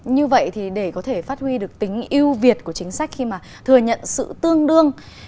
như vậy thì để có thể phát huy được tính ưu việt của chính sách khi mà thừa nhận sự tương đương